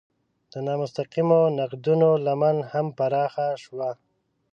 د نامستقیمو نقدونو لمن هم پراخه شوه.